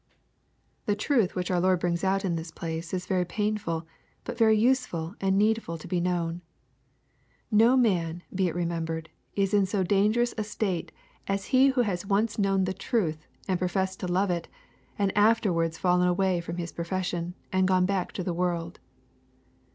The truth which our Lord brings out in this place is very painful, but very useful and needful to be known. No man, be it remembured, is in so dangerous a state as he who has once known the truth and professed to love it, and has afterwards fallen away from his profession, and gone back to the world.